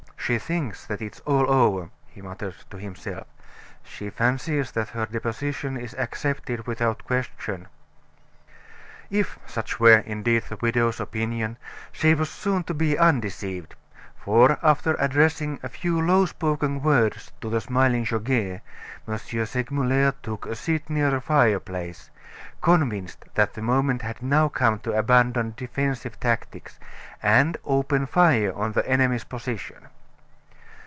"She thinks that it's all over," he muttered to himself; "she fancies that her deposition is accepted without question." If such were, indeed, the widow's opinion, she was soon to be undeceived; for, after addressing a few low spoken words to the smiling Goguet, M. Segmuller took a seat near the fireplace, convinced that the moment had now come to abandon defensive tactics, and open fire on the enemy's position.